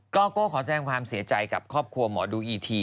ก็โก้ขอแสดงความเสียใจกับครอบครัวหมอดูอีที